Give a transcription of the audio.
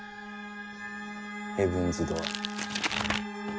ヘブンズ・ドアー。